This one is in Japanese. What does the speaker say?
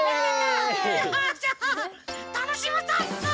じゃあたのしむざんす！